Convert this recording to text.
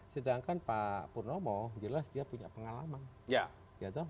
sedangkan pak purnomo jelas dia punya pengalaman